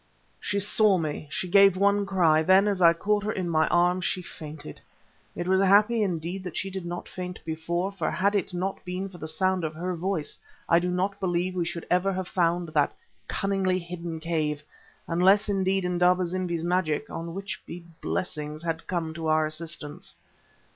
She saw me, she gave one cry, then, as I caught her in my arms, she fainted. It was happy indeed that she did not faint before, for had it not been for the sound of her voice I do not believe we should ever have found that cunningly hidden cave, unless, indeed, Indaba zimbi's magic (on which be blessings) had come to our assistance.